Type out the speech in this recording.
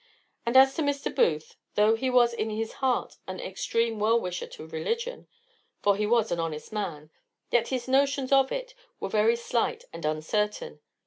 And as to Mr. Booth, though he was in his heart an extreme well wisher to religion (for he was an honest man), yet his notions of it were very slight and uncertain.